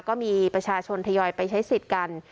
ก็มีประชาชนทยอยไปใช้สิทธิ์กัน